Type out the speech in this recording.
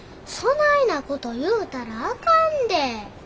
そないなこと言うたらあかんで。